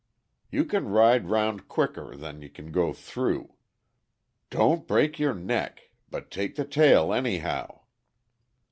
You can ride round quicker than you can go through. Don't break your NECK, BUT TAKE THE TAIL ANYHOW."